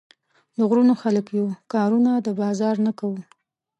د غرونو خلک يو، کارونه د بازار نۀ کوو